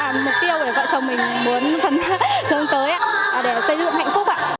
đó là mục tiêu của vợ chồng mình muốn xuống tới để xây dựng hạnh phúc